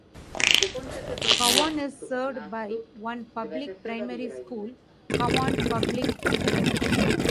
Cowan is served by one public primary school, Cowan Public School.